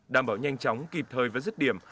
đảm bảo nhanh chóng kịp thời và dứt điểm